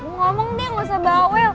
ngomong deh gak usah bawa